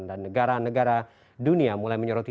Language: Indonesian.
dan negara negara dunia mulai menyoroti